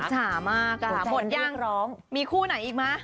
อิจฉามากหมดยังมีคู่ไหนอีกมั้ย